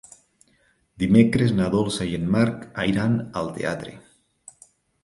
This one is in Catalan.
Dimecres na Dolça i en Marc iran al teatre.